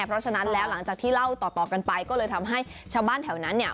เพราะฉะนั้นแล้วหลังจากที่เล่าต่อกันไปก็เลยทำให้ชาวบ้านแถวนั้นเนี่ย